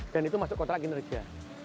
itu masuk kontrak kinerja